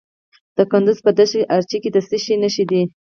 د کندز په دشت ارچي کې د څه شي نښې دي؟